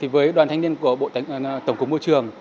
với đoàn thanh niên của tổng cục môi trường